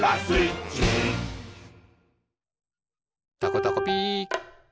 「たこたこピー」